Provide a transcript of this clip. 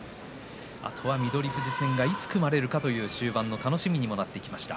あとは翠富士戦がいつ組まれるかという終盤の楽しみにもなってきました。